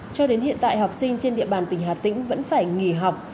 cho đến hiện tại học sinh trên địa bàn tỉnh hà tĩnh vẫn phải nghỉ học